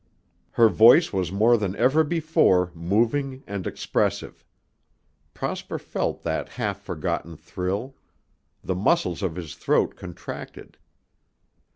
'" Her voice was more than ever before moving and expressive. Prosper felt that half forgotten thrill. The muscles of his throat contracted.